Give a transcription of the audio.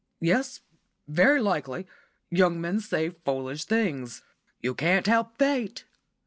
"Yes, very likely; young men say foolish things. You can't help fate.